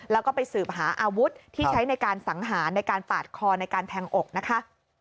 แล้วก็ไปสืบหาอาวุธที่ใช้ในการสังหารในการปาดคอในการแทงอกนะคะ